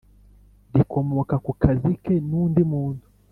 rikomoka ku kazi ke n undi muntu